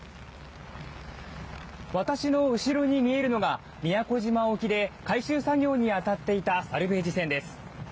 私の後ろに見えるのが宮古島沖で回収作業に当たっていたサルベージ船です。